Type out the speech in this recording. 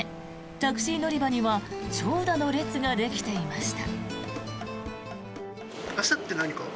タクシー乗り場には長蛇の列ができていました。